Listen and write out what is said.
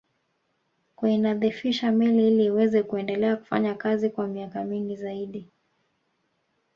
Kuinadhifisha meli ili iweze kuendelea kufanya kazi kwa miaka mingi zaidi